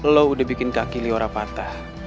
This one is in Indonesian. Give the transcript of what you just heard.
lo udah bikin kaki liora patah